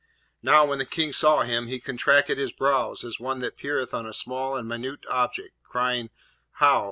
Now, when the King saw him, he contracted his brows as one that peereth on a small and minute object, crying, 'How!